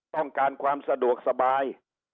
ต้องการความสะดวกสบาย